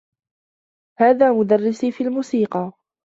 هذا مدرّسي في الموسيقى.